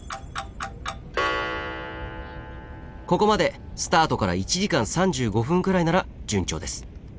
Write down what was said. ここまでスタートから１時間３５分くらいなら順調です。